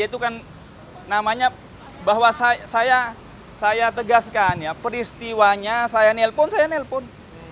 itu kan namanya bahwa saya tegaskan ya peristiwanya saya nelpon saya nelpon